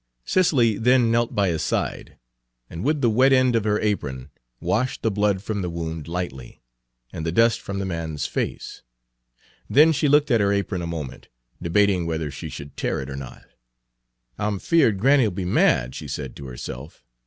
Cicely then knelt by his side, and with the wet end of her apron washed the blood from the wound lightly, and the dust from the man's face. Then she looked at her apron a moment, debating whether she should tear it or not. Page 138 "I'm feared granny 'll be mad," she said to herself.